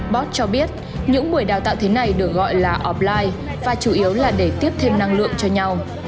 bott cho biết những buổi đào tạo thế này được gọi là offline và chủ yếu là để tiếp thêm năng lượng cho nhau